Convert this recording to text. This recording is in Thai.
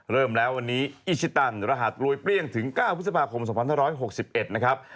เริ่มแล้ววันนี้อิชิตันรหัสรวยเปรี้ยงถึง๙พฤษภาคม๒๕๖๑นะครับ